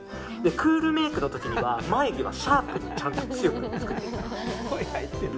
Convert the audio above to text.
クールメイクの時には眉毛はシャープにちゃんと強く作っていただく。